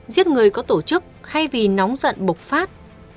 giết người có tổ chức thay vì nóng giận bộc phát